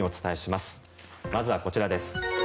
まずはこちらです。